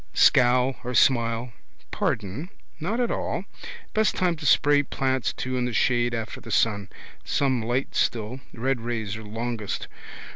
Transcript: Scowl or smile. Pardon! Not at all. Best time to spray plants too in the shade after the sun. Some light still. Red rays are longest.